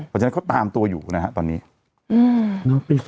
เพราะฉะนั้นเขาตามตัวอยู่นะฮะตอนนี้